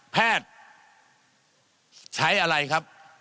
แพทย์ใช้อะไรครับ